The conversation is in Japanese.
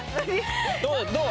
どう？